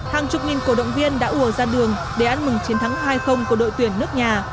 hàng chục nghìn cổ động viên đã ùa ra đường để ăn mừng chiến thắng hai của đội tuyển nước nhà